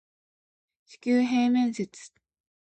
地球平面説